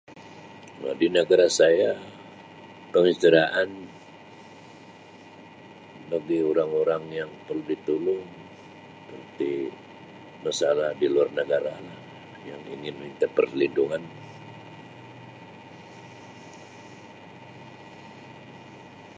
Um Di negara saya pengisytiharaan bagi orang-orang perlu ditolong untuk masalah di luar negara lah yang ingin minta perlindungan.